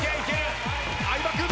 相葉君。